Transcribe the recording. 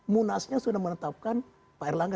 munasnya sudah menetapkan pak erlangga